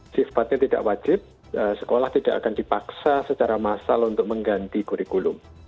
sifatnya tidak wajib sekolah tidak akan dipaksa secara massal untuk mengganti kurikulum